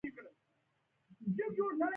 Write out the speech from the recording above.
ایا زه باید ماشوم ته کچالو ورکړم؟